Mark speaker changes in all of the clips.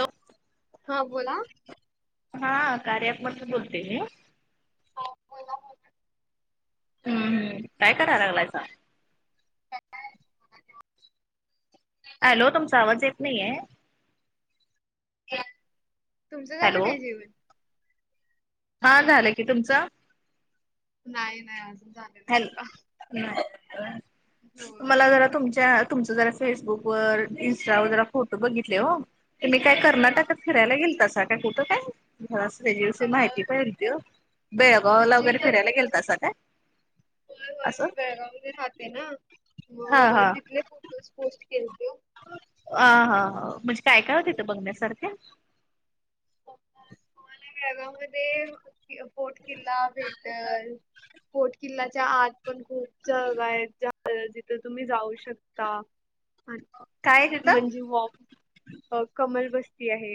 Speaker 1: Hello!
Speaker 2: हा बोला
Speaker 1: हा... कार्या ॲपमधून बोलतेय मी. हम्म हम्म... काय करा लागलायसा? हॅलो... तुमचा आवाज येत नाहीये. [unintelligible]
Speaker 2: तुमचं झालं
Speaker 1: हॅलो
Speaker 2: काय जेवण?
Speaker 1: हा... झालं की, तुमचं?
Speaker 2: नाही नाही... अजून झालं नाही
Speaker 1: हॅलो...
Speaker 2: बघा.
Speaker 1: नाई...
Speaker 2: होय.
Speaker 1: मला जरा तुमच्यात तुमचे जरा फेसबुकवर, इंस्टावर जरा फोटो बघितले वो तुम्ही काय...
Speaker 2: हा
Speaker 1: कर्नाटकात फिरायला गेलतसा काय, कुठं काय?
Speaker 2: अ
Speaker 1: [unintelligible] माहिती पाहिली होती. ते गोवाला
Speaker 2: म्हणजे
Speaker 1: वगैरे फिरायला गेलतासा काय?
Speaker 2: होय, होय.
Speaker 1: असं
Speaker 2: मी बेळगावमध्ये राहते ना.
Speaker 1: हा
Speaker 2: मग तिथले फोटोज पोस्ट केलते ओ.
Speaker 1: अं हा, हा. म्हणजे काय काय वो तिथं बघण्यासारखे?
Speaker 2: तुम्हाला बेळगाव मध्ये कोट किल्ला भेटल कोट किल्ल्याच्या आत पण खूप जागा आहेत ज्या अ जिथं तुम्ही जाऊ शकता
Speaker 1: काय तिथं
Speaker 2: म्हणजे वॉक. अ कमल बस्ती आहे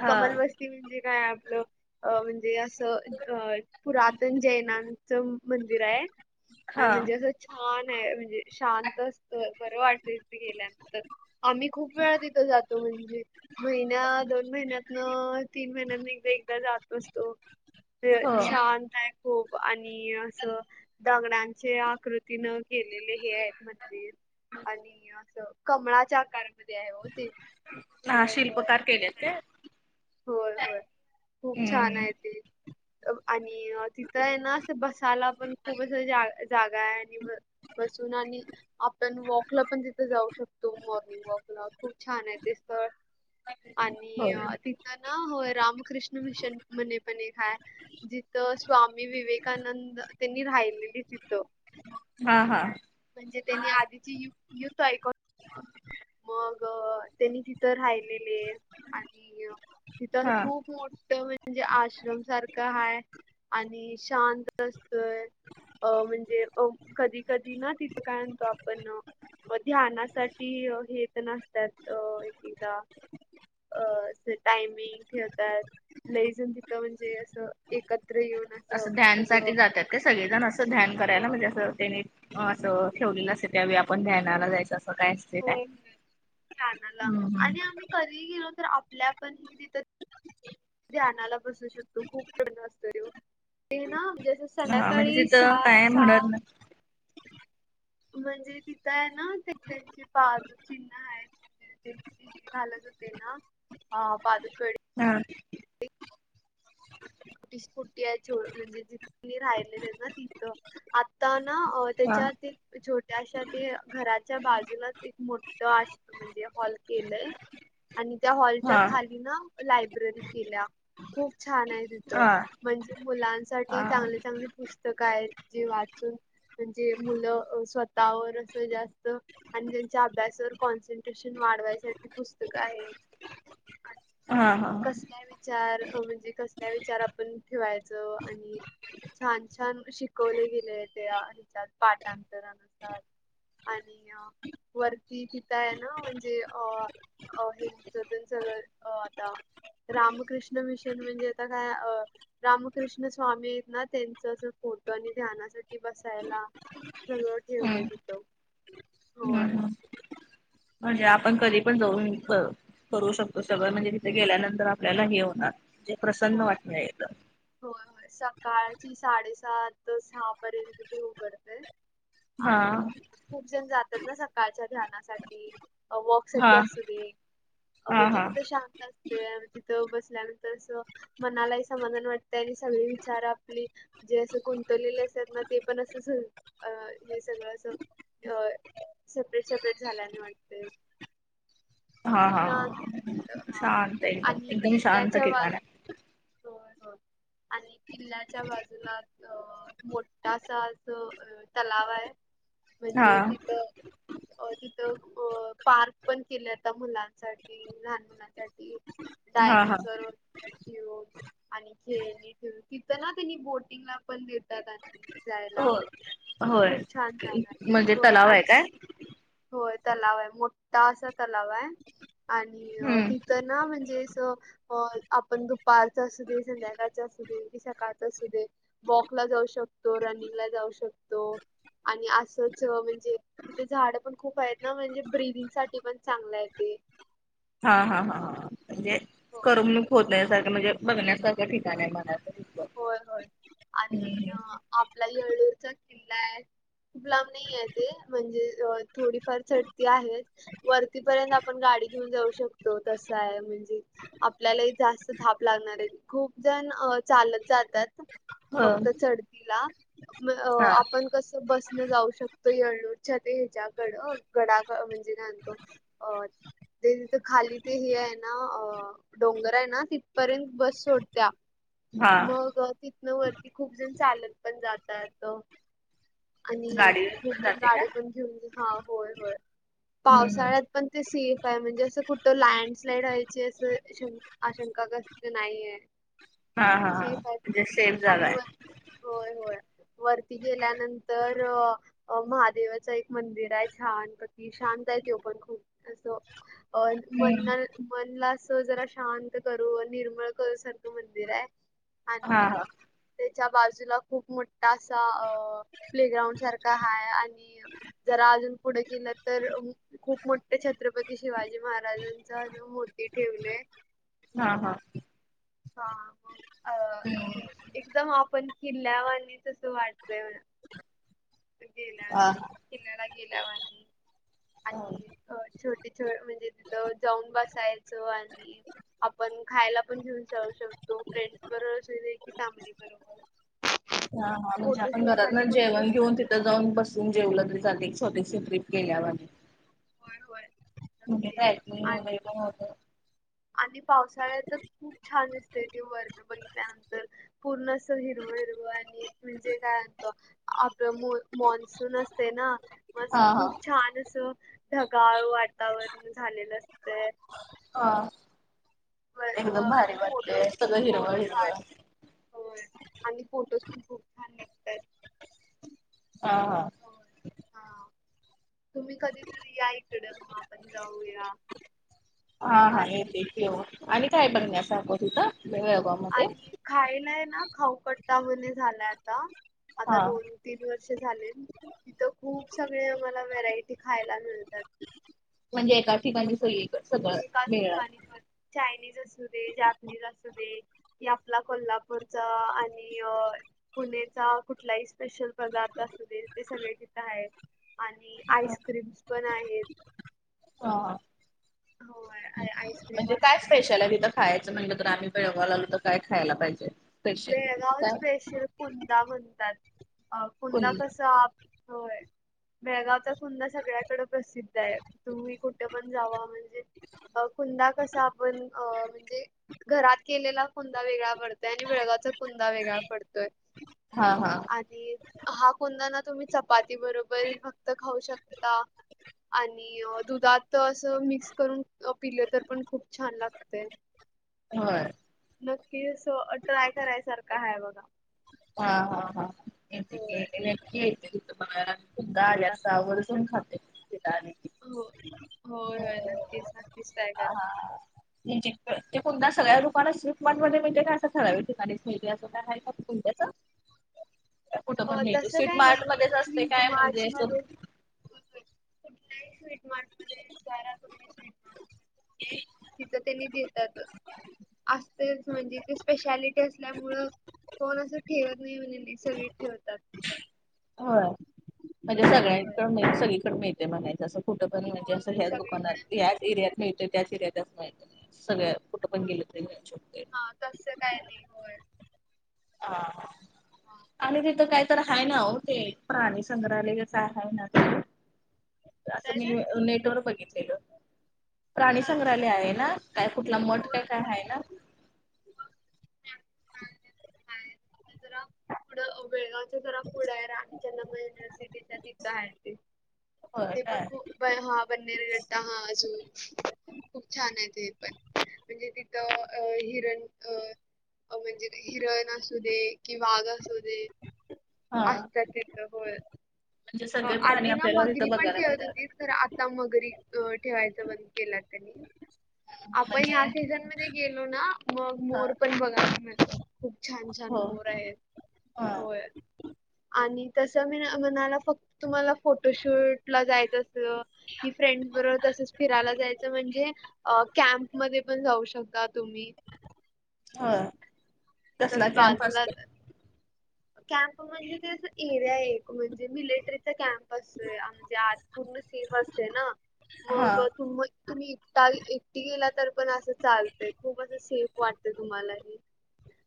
Speaker 1: हा
Speaker 2: कमल वस्ती म्हणजे काय आपलं, अ म्हणजे असं अं अं पुरातन जैनाचं मंदिर आहे. आणि
Speaker 1: हा
Speaker 2: म्हणजे असं छान आहे, म्हणजे शांत असतं. बरं वाटत तिथं गेल्यानंतर. आम्ही खूप वेळा तिथं जातो. म्हणजे महिन्या दोन महिन्यात. तीन महिन्यांत एकदा एकदा जात बसतो.
Speaker 1: हो
Speaker 2: शांत आहे. खूप. आणि असं दगडांचे आकृती तीनं केेलेले हे आहेत मंदिर. आणि अस कमळाच्या आकार मध्ये आहे ओ ते.
Speaker 1: हा शिल्पकार केलेत काय
Speaker 2: [unintelligible] होय होय. खूप छान
Speaker 1: हम्म
Speaker 2: आहे ते. आणि तिथं आहे ना, असं बसायला पण खूप असं जा जागा आहे. आणि [inaudible] बसुन आणि आपण वॉकला पण तिथं जाऊ शकतो. मॉर्निंग वॉकला खूप छान आहे ते. स्थळ.
Speaker 1: हो
Speaker 2: आणि तिथं ना, होय रामकृष्ण मिशन मंदीर पण एक हाय. जिथं स्वामी विवेकानंद त्यांनी राहिलेली तिथं.
Speaker 1: [inaudible] हा हा.
Speaker 2: म्हणजे त्यांनी आधीची युथ युथ ऐक मग त्यांनी तिथं राहिलेले. आणि तिथं
Speaker 1: हा
Speaker 2: खूप मोठ म्हणज म्हणजे आश्रम सारख हाय. आणि शांत असतंय. अ म्हणजे कधी कधी ना, तिथं काय आणतो आपण ध्यानासाठी हे पण असत्यात अ एकदा अ अस टाइम. मिंग ठेवतात. लई जण तिथ म्हणजे असं एकत्र येऊन
Speaker 1: असं
Speaker 2: सगळं
Speaker 1: ध्यानसाठी जातात काय सगळेजण? असं ध्यान करायला
Speaker 2: होय
Speaker 1: म्हणजे असं त्यांनी असं ठेवलेलं असंत त्यावेळी आपण ध्यानाला जायचं असं कायच
Speaker 2: होय होय ध्यानाला. आणि
Speaker 1: हम्म
Speaker 2: आम्ही कधी गेलो तर आपल्या पण हे
Speaker 1: [inaudible]
Speaker 2: ध्यानाला बसू शकतो. खूप [inaudible] असतो ते ते ना, म्हणजे असं
Speaker 1: हा म्हणजे
Speaker 2: संध्याकाळी
Speaker 1: तिथं
Speaker 2: सा
Speaker 1: काय म्हणत
Speaker 2: साग
Speaker 1: नाही
Speaker 2: म्हणजे तिथं आहे ना, ते त्यांचे पाद चिन्ह आहे ते [unintelligible] ते ना, अ पादुकडे
Speaker 1: हा
Speaker 2: [unintelligible] म्हणजे जे कुणी राहिलेले आहे ना तिथं. आ त ना, अं
Speaker 1: हा हा
Speaker 2: त्याच्यात एक छोट्याशा ते घराच्या बाजूलाच एक मोठं आ म्हणजे हॉल केलंय आणि त्या हॉलच्या
Speaker 1: हा
Speaker 2: खाली ना लायब्ररी केल्या. खूप छान आहे तिथं.
Speaker 1: हा
Speaker 2: म्हणजे
Speaker 1: हा
Speaker 2: मुलांसाठी चांगले चांगले पुस्तक स्तक आहेत. जे वाचून म्हणजे मुलं स्वतःवर असं जास्त आणि त्यांच्या अभ्यासावर कॉन्सन्ट्रेशन वाढवायसाठी पुस्तकं आहेत.
Speaker 1: हा हा हा.
Speaker 2: चार म्हणजे कसल्या विचार आपण ठेवायच आणि छान छान शिकवले गेले त्या विचार. पाठांतरानुसार आणि वर ती तिथं आहे ना, म्हणजे अ हेन सगळं अ आता रामकृष्ण मिशन म्हणजे आता काय रामकृष्ण स्वामी ना त्यांच फोटो आणि ध्यानासाठी. बसायला सगळं ठेवलय
Speaker 1: हम्म
Speaker 2: तिथ होय.
Speaker 1: हम्म म्हणजे आपण कधी
Speaker 2: आणि
Speaker 1: पण जाऊन करू शकतो सगळं
Speaker 2: होय
Speaker 1: म्हणजे तिथे गेल्यानंतर आपल्याला हे होणारे प्रसन्न
Speaker 2: होय
Speaker 1: वाटलं येत.
Speaker 2: होय होय सकाळची साडेसात सहा पर्यंत ते उघडतेय..
Speaker 1: हा
Speaker 2: आणि खूप जण जातात ना सकाळच्या. ध्यानासाठी वॉक
Speaker 1: हा
Speaker 2: साठी असुदे
Speaker 1: हा
Speaker 2: म्हणजे
Speaker 1: हा
Speaker 2: तिथ शांत ते तिथं बसल्यानंतर अस मनालाही समाधान वाटत. त्यानी सगळी विचार आपली जे असं गुंतवलेले असते ना ते पण असं. अ हे सगळं अस अ. सपरेट सपरेट झाल्याने वाटते.
Speaker 1: हा हा
Speaker 2: रा हा
Speaker 1: शांत एकदम
Speaker 2: आणि
Speaker 1: एकदम शांत
Speaker 2: किल्ल्याच्या
Speaker 1: ठिकाण आहे
Speaker 2: वाज.
Speaker 1: [inaudible]
Speaker 2: आणि किल्ल्याच्या बाजूला अ मोठा आस. तलाव आहे
Speaker 1: हा
Speaker 2: म्हणजे तिथं. अ तिथं अ पार्क पण केले होता मुलांसाठी, लहान मुलांसाठी.
Speaker 1: हा हा
Speaker 2: डायनोसर. वगैरे आणि खेळणी ठेव तिथं ना त्यांनी बोटिंगला. पण देतात आणि जायला
Speaker 1: हो होय
Speaker 2: खूप छान जागा
Speaker 1: म्हणजे
Speaker 2: हो
Speaker 1: तलाव आहे
Speaker 2: आणि.
Speaker 1: काय
Speaker 2: होय तलाव आहे मोठा असा तलाव आहे आणि
Speaker 1: हम्म
Speaker 2: तिथ. ना म्हणजे अस. अ आपण दुपारचं असू दे, संध्याकाळच असू दे, की सकाळच असू दे. वॉक ला जाऊ शकतो, रनिंग ला जाऊ शकतो. आणि असंच म्हणजे तिथे झाड. खूप आहेत ना म्हणजे ब्रिदिंग साठी पण चांगलं आहे ते.
Speaker 1: हा हा हा म्हणजे
Speaker 2: होय.
Speaker 1: कारवणूक होत नाही बघ ण्यासारखं म्हणजे बघण्यासारखं ठिकाण आहे मना
Speaker 2: होय होय आणि
Speaker 1: हम्म
Speaker 2: अ, आपला ह अळळूरचा किल्ला आहे खूप लांब नाही आहे ते म्हणजे अ. थोडीफार चढती आहे. वरतीपर्यंत आपण गाडी घेऊन जाऊ शकतो तस आहे म्हणजे. आपल्यालाही जास्त धाप लागणार आहे खूप जण चालत जातात.
Speaker 1: हो
Speaker 2: फक्त चढतीला
Speaker 1: हा
Speaker 2: आपण. कसं बसन जाऊ शकतो येळलूरच्या ते ह्याच्याकड गडाकड म्हणजे काणतो. अ ते तिथं खाली ते हे आहे ना अ डोंगर आहे ना तिथपर्यंत बस सोडत्या.
Speaker 1: हा
Speaker 2: मग तिथनं वरती खूप जण चालत पण जातात. आणि
Speaker 1: गाडी
Speaker 2: खूप जण
Speaker 1: जाते का
Speaker 2: गाडी पण घेऊन हा होय होय
Speaker 1: हम्म हम्म
Speaker 2: पावसाळ्यात. पण ते सेफ आहे म्हणजे असं कुठं लँडस्लाईड वयचे असं श. आशंकागस्त नाहीये.
Speaker 1: हा हा [inaudible] हा
Speaker 2: सेफ आहे
Speaker 1: म्हणजे
Speaker 2: ते.
Speaker 1: सेफ
Speaker 2: आणि
Speaker 1: झालाय.
Speaker 2: व होय, होय वरती गेल्यानंतर अ महादेवाच एक मंदिर आहे. छान प्रति शांत आहे. तो पण खूप असं अ मन
Speaker 1: हम्म
Speaker 2: मनला अस जरा शांत करू निर्मळ करू सारखं मंदिर आहे.
Speaker 1: हा
Speaker 2: आणि,
Speaker 1: हा
Speaker 2: त्याच्या बाजूला खूप मोठा असा अ प्ले ग्राउंड सारखा [inaudible] हा आणि जरा अजून पुढे गेलं तर खूप मोठे छत्रपती शिवाजी महाराजांचा मूर्ती ठेवलेय.
Speaker 1: हा.. हा..
Speaker 2: हा, मग अ
Speaker 1: हम्म
Speaker 2: असं एकदम आपण. किल्ल्यावानी तसं वाटतय म्हणा. गेल्या
Speaker 1: हा
Speaker 2: किनला गेल्या आणि
Speaker 1: हा
Speaker 2: आणि [inaudible] छोटे छोट म्हणजे. तिथं जाऊन बसायचं आणि आपण खायला पण घेऊन जाऊ शकतो. फ्रेंड्स बरोबर की फॅमिली बरोबर.
Speaker 1: हा.. हा.. म्हणजे आपण
Speaker 2: फोटोशूट
Speaker 1: घरात ना
Speaker 2: साठी पण खूप
Speaker 1: जेवण घेऊन तथ जाऊन बसून जेवलं तरी जाते एक छोटीशी ट्र्रीप गेल्यावर.
Speaker 2: [inaudible] हो होय
Speaker 1: [unintelligible] मु का [inaudible]
Speaker 2: नक्कीच आणि
Speaker 1: आहे होत
Speaker 2: आणि पावसाळ्यात तर खूप छान दिसतय ते वर्ण बघितल्यानंतर पूर्ण हिरवं हिरवं आणि म्हणजे काय [inaudible] म्हत आपलं मान्सून असते ना. मस
Speaker 1: हा हा
Speaker 2: खूप छान असं ढगाळ वातावरण झालेलं असतं.
Speaker 1: हा
Speaker 2: अ,
Speaker 1: एकदम भारी
Speaker 2: आणि फोटो
Speaker 1: वाटले सगळं हिरव हिरवं.
Speaker 2: [inaudible] हो आणि फोटोज पण खूप छान निघतात.
Speaker 1: हा.. हा..
Speaker 2: होय हा तुम्ही कधीतरी या इकड मग आपण जाऊया आणि
Speaker 1: येव आणि काय बघण्या असखो तिथं [inaudible] मयाग.
Speaker 2: आणि खायलाय ना खाऊकट्टा [inaudible] म्ह झालाय आता आता
Speaker 1: हा.
Speaker 2: दोन तीन वर्ष झाले. तथं खूप सगळे आम्हाला व्हेरायटी खायला मिळतात.
Speaker 1: म्हणजे एका ठिकाणी स सगळं [inaudible]
Speaker 2: एकाच
Speaker 1: मिळ
Speaker 2: ठिकाणी चायनीज असू दे, जापनीज असू दे. [inaudible] क आपला कोल्हापूरचा आणि अ पुण्याचा कुठलाही स्पेशल पदार्थ [inaudible] असतो ते ते सगळे तिथं आहेत. आणि
Speaker 1: हा
Speaker 2: आईस्क्रीम्स पण आहेत.
Speaker 1: हा.
Speaker 2: होय आ- आईस्क्रीम
Speaker 1: म्हणजे
Speaker 2: असू दे.
Speaker 1: कायपेश. खायचं म्हटलं, तर आम्ही बळवा लालो तर काय खायला पाहिजे. स्पेशल
Speaker 2: बेळगाव
Speaker 1: काय
Speaker 2: स्पेशल कुंदा म्हणतात. अ
Speaker 1: कुल
Speaker 2: कुंदा कसा. होय बेळगावचा. [inaudible] ख्हा सगळ्याकड प्रसिद्ध आहे. तुम्ही कुठे पण जावा म्हणजे. अ कुंदा कसा आपण अ म्हणजे घरात केलेला कुंदा वेगळा पडतोय आणि वेळगाचा कुंदा वेगळा पडतोय.
Speaker 1: हा हा
Speaker 2: [inaudible] आणि हा कोदा ना तुम्ही चपाती बरोबर फक्त खाऊ शकता. आणि, दुधात असं मिक्स करून पिले तर पण खूप छान लागते.
Speaker 1: [inaudible] ह.
Speaker 2: नक्की स ट्राय करायसारखं हय बघा.
Speaker 1: हा हा हा [inaudible]
Speaker 2: होय
Speaker 1: हेेतत. [inaudible] सुद्धा आल्यास आवर्जून खाते. इथं आणि
Speaker 2: हो. होय - होय, नक्कीच - नक्कीच काय करा.
Speaker 1: म्हणजे ते कोण ना सगळ्या दुकाना, स्वीट मार्ट मध्ये म्हणजे का? असं ठराव ठिकाणीच मिळते. अस काय, हाय का? कुठं पण
Speaker 2: हो.
Speaker 1: मिळते
Speaker 2: तसं,
Speaker 1: स्वीट
Speaker 2: काय नाही.
Speaker 1: मार्ट मध्येच असते
Speaker 2: स्वीट
Speaker 1: काय
Speaker 2: मार्ट
Speaker 1: म्हणजे असं
Speaker 2: मध्ये, कुठल्याही स्वीट [unintelligible] विचारा स्वीट [unintelligible] तिथं त्यांनी देतातच. असतेच. म्हणजे ते, स्पेशालिटी असल्यामुळं, कोण अस ठेवत नाही. म्हणेली सगळी ठेवतात.
Speaker 1: होय. म्हणजे
Speaker 2: होय होय.
Speaker 1: सगळ्यांकड मिळ, सगळीकडे मिळतय म्हणायचं, असं. कुठं पण? म्हणजे
Speaker 2: होय
Speaker 1: असं,
Speaker 2: होय
Speaker 1: ह्याच दुकानात,
Speaker 2: सगळीकडे
Speaker 1: ह्याच
Speaker 2: मिळते
Speaker 1: एरिया मिळतय. त्याच एरियात असं, काही नाही. सगळ्या, कुठं पण गेलं, तरी मिळू शकतय.
Speaker 2: हा, तसं काय नाही. होय.
Speaker 1: हा. आणि तिथं काय तर हाय ना, हो. ते प्राणी संग्रहालयस हाय ना. असं
Speaker 2: काय
Speaker 1: मी,
Speaker 2: काय?
Speaker 1: नेटवर बघितलेलं. प्राणी
Speaker 2: काय
Speaker 1: संंग्रहालय आहे ना? काय कुठला? मठ
Speaker 2: होय
Speaker 1: का, काय
Speaker 2: होय
Speaker 1: हाय ना?
Speaker 2: [unintelligible] जरा पूडं वेळात जरा पुढय. राय सोनी युनिव्हर्सिटीच्या तिथं हाय ते.
Speaker 1: होय
Speaker 2: ते पण
Speaker 1: काय?
Speaker 2: खूप [unintelligible] खूप छानय ते पण. म्हणजे तिथं, अ हिरण अ म्हणजे ते हिरण असू दे. कि वाघ असू दे.
Speaker 1: हा
Speaker 2: असतात तिथं. होय.
Speaker 1: म्हणजे सगळे प्राणी
Speaker 2: आधी ना
Speaker 1: आपल्याला
Speaker 2: मगरी
Speaker 1: तिथं
Speaker 2: पण
Speaker 1: बघायला
Speaker 2: ठेवत
Speaker 1: मिळतात.
Speaker 2: होती. तर आता मगरी अ ठेवायच, बंद केला त्यांनी. आपण
Speaker 1: म्हणजे
Speaker 2: ह्या सीझन मध्ये गेलो ना, मग
Speaker 1: हा
Speaker 2: मोर पण बघायला भेटतात. खूप छान - छान
Speaker 1: हो
Speaker 2: मोर आहेत.
Speaker 1: हा
Speaker 2: होय. आणि तस मना - म्हणायला फक्त तुम्हाला, फोटोशूटला जायचं अस की फ्रेंडस बरोबर, तसच फिरायला जायचं. म्हणजे अ कॅम्पमध्ये पण जाऊ शकता, तुम्ही.
Speaker 1: ह. कसला,
Speaker 2: तिथंच
Speaker 1: कॅम्प असतय?
Speaker 2: बाजूलाच कॅम्प म्हणजे, ते एरिया एक. म्हणजे मिलेटरीचा कॅम्प. असंय, आमच्यात. पूर्ण सेफ असते ना.
Speaker 1: हा
Speaker 2: मग तुम तुम्ही एकटा- एकटी गेला तर, पण असं चालतय. खूप असं सेफ वाटते तुम्हालाही.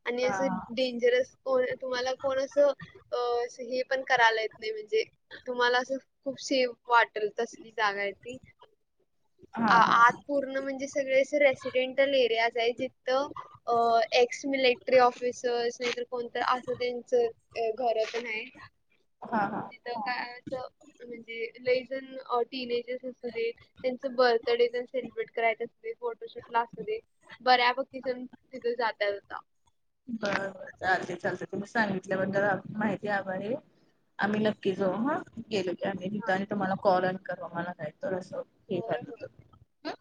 Speaker 2: आणि
Speaker 1: हा
Speaker 2: अस डेंजरस कोण तुम्हाला कोण असं, अ हे पण करायला येत नाही. म्हणजे तुम्हाला असं, खूप सेफ वाटल. तसली जागाय ती.
Speaker 1: हा
Speaker 2: अ
Speaker 1: हा
Speaker 2: आत पूर्ण म्हणजे, सगळे रेसिडेंटल एरियाजाय तिथं. अ एक्स मिलिटरी ऑफिसर्स. नाहीतर कोण त अस त. त्यांचं घरं पण हाय.
Speaker 1: हा हा
Speaker 2: अ का म्हणजे लयजण, अ टिन एजर असू दे. त्यांच बर्थडे सेलिब्रेट कराय अस. फोटोशूटला असू दे. बऱ्यापकी जण, तिथे जातात आता.
Speaker 1: बरं- बरं. चालते- चालते. तुम्ही सांगितल्याबद्दल, अ माहिती आभारीय. आम्ही, नक्कीच जाऊ, हं. गेलो की आम्ही तिथं,
Speaker 2: हा
Speaker 1: आणि तुम्हाला कॉल अन करु. मला जाय तो रसं.
Speaker 2: होय होय.
Speaker 1: [unintelligible] अं.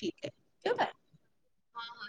Speaker 1: ठीकय. ठेऊ का?
Speaker 2: हा, हा.